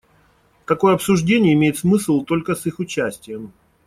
Такое обсуждение имеет смысл только с их участием.